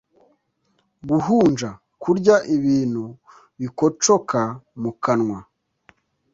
guhunja: kurya ibintu bikocoka mu kanwa